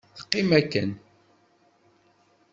Teqqim akken…